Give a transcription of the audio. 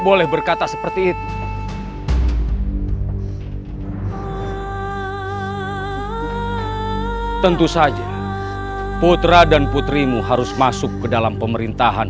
boleh berkata seperti itu tentu saja putra dan putrimu harus masuk ke dalam pemerintahan